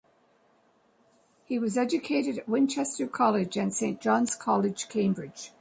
He was educated at Winchester College and Saint John's College, Cambridge.